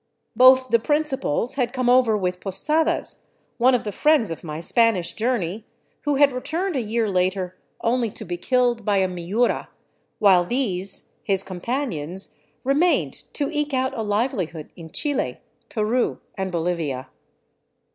Both the principals had come over with Posadas, one of the friends of my Spanish journey, who had returned a year later only to be killed by a " Miura," while these his companions remained to eke out a livelihood in Chile, Peru, and Bolivia.